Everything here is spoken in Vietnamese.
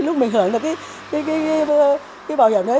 lúc mình hưởng được cái bảo hiểm đấy